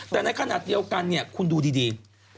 แต่ในขณะเดียวกันเนี่ยคุณดูดี